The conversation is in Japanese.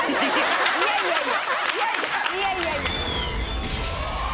いやいやいや。